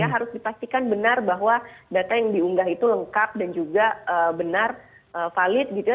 harus dipastikan benar bahwa data yang diunggah itu lengkap dan juga benar valid gitu ya